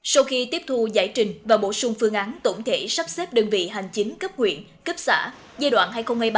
sau khi tiếp thu giải trình và bổ sung phương án tổng thể sắp xếp đơn vị hành chính cấp huyện cấp xã giai đoạn hai nghìn hai mươi ba hai nghìn ba mươi